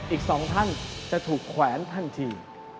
อีก๒ท่านจะถูกแขวนทันที